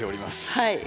はい。